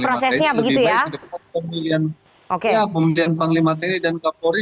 lebih baik ke depan pemilihan panglima tni dan kapolri